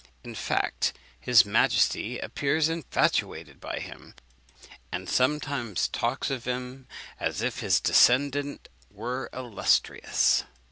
In fact, his majesty appears infatuated by him, and sometimes talks of him as if his descent were illustrious."